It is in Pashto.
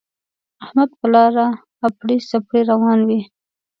احمد پر لاره اپړې سپړې روان وِي.